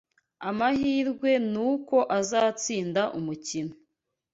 Amahirwe nuko azatsinda umukino.